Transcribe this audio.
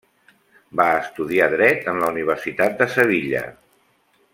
Va estudiar Dret en la Universitat de Sevilla.